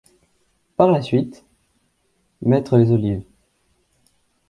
Par la suite, mettre les olives.